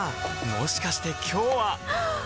もしかして今日ははっ！